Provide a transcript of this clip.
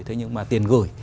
thế nhưng mà tiền gửi